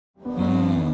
うん。